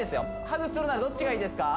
ハグするならどっちがいいですか？